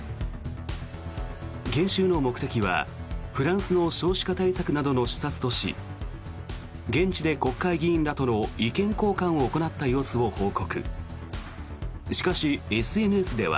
研修の目的は、フランスの少子化対策などの視察とし現地で国会議員らとの意見交換を行った様子を報告。